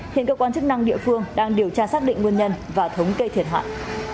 hiện cơ quan chức năng địa phương đang điều tra xác định nguyên nhân và thống kê thiệt hại